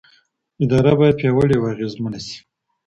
اداره باید پیاوړې او اغېزمنه سي.